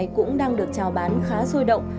cũng đang được trào bán khá sôi động